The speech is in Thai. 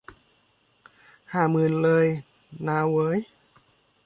ห้าหมื่นเลยนาเหวย